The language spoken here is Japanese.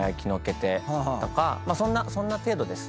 そんな程度です。